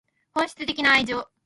本質的な愛情